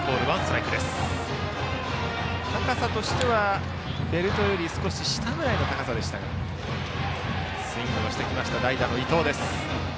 高さとしてはベルトより少し下ぐらいの高さでしたがスイングをしてきました代打の伊藤です。